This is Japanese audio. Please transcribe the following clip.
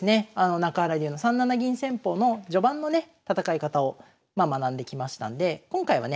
中原流の３七銀戦法の序盤のね戦い方を学んできましたんで今回はね